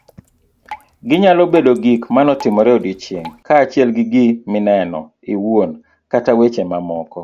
Ginyalo bedo gik manotimore odiochieng' , kaachiel gi mineno iwuon kata weche mamoko